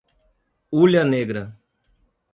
Hulha Negra